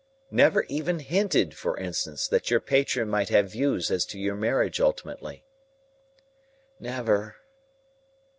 Never even hinted, for instance, that your patron might have views as to your marriage ultimately?" "Never."